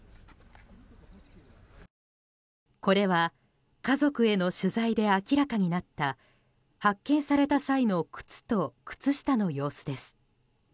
これは家族への取材で明らかになった発見された際の靴と靴下の様子です。